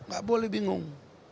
gak boleh bingung